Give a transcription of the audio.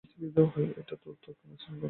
এটা তোর ত্বককে মসৃণ এবং উজ্জ্বল করে তুলবে।